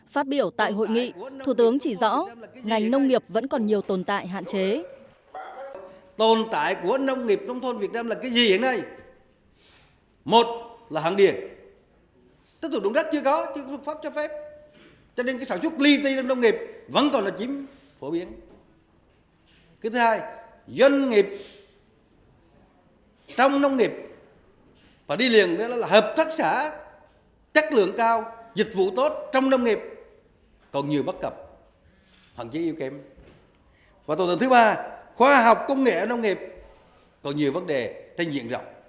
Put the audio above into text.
phát biểu tại hội nghị thủ tướng chỉ rõ ngành nông nghiệp vẫn còn nhiều tồn tại hạn chế